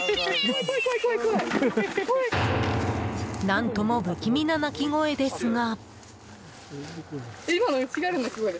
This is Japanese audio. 何とも不気味な鳴き声ですが。